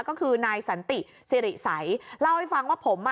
ก็คือนายสันติสิริสัยเล่าให้ฟังว่าผมอ่ะ